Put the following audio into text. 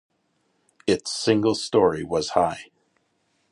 Its single story was high.